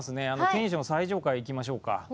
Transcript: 天守の最上階いきましょうか。